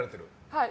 はい。